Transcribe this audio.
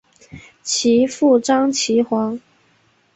其父张其锽。